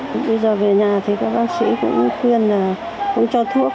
bây giờ về nhà thì các bác sĩ cũng khuyên là uống cho thuốc